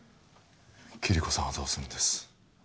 キリコさんはどうするんです？